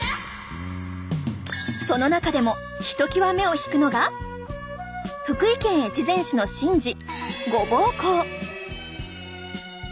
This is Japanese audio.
その中でもひときわ目を引くのが福井県越前市の神事ごぼう講。